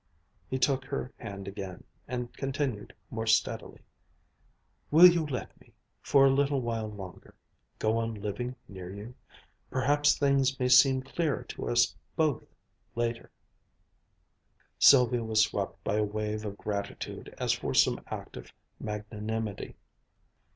He took her hand again and continued more steadily: "Will you let me, for a little while longer, go on living near you? Perhaps things may seem clearer to us both, later " Sylvia was swept by a wave of gratitude as for some act of magnanimity.